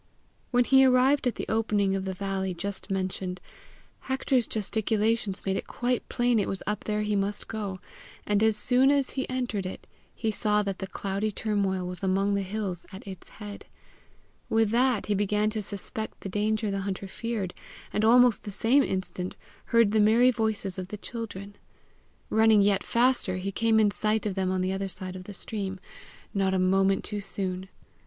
When he arrived at the opening of the valley just mentioned, Hector's gesticulations made it quite plain it was up there he must go; and as soon as he entered it, he saw that the cloudy turmoil was among the hills at its head. With that he began to suspect the danger the hunter feared, and almost the same instant heard the merry voices of the children. Running yet faster, he came in sight of them on the other side of the stream, not a moment too soon.